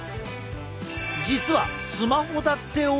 実はスマホだってＯＫ。